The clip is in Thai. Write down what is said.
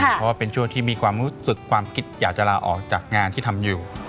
เพราะว่าเป็นช่วงที่มีความรู้สึกความคิดอยากจะลาออกจากงานที่ทำอยู่